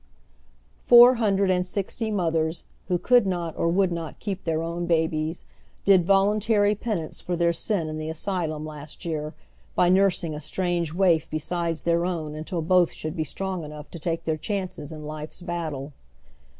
Four hundred and sixty motliers, who could not or would not keep their own babies, did voluntary penance for their sin in the asylum last year by nursing a strange waif besides their own untii both should be strong enough to take their chances in life's battle.